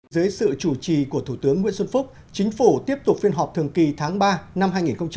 dưới sự chủ trì của thủ tướng nguyễn xuân phúc chính phủ tiếp tục phiên họp thường kỳ tháng ba năm hai nghìn hai mươi